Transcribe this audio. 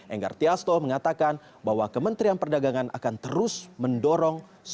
enggar tiasto mengatakan bahwa kementerian perdagangan akan terus mendorong